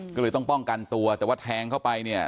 ก็เลยต้องป้องกันตัวแต่ว่าแทงเข้าไปเนี่ย